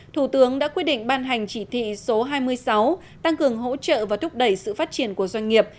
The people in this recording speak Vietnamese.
thủ tướng đã quyết định ban hành chỉ thị số hai mươi sáu tăng cường hỗ trợ và thúc đẩy sự phát triển của doanh nghiệp